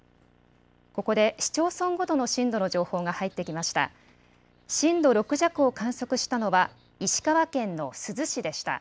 ここで市町村ごとの震度の情報が入ってきました。